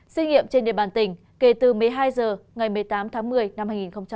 xét nghiệm trên địa bàn tỉnh kể từ một mươi hai h ngày một mươi tám tháng một mươi năm hai nghìn một mươi chín